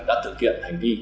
đã thực hiện hành vi